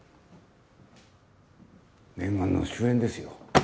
念願の主演ですよ。